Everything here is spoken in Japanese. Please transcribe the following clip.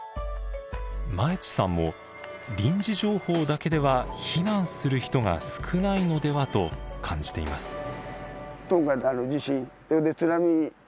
前地さんも臨時情報だけでは避難する人が少ないのではと感じています。